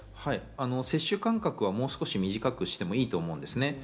接種間隔はもう少し短くしてもいいと思うんですね。